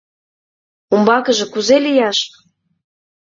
Умбакыже кузе лияш?